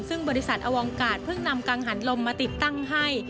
ซึ่งบริษัทอวกาศเพิ่งนำกังหันลมมาติดตั้งให้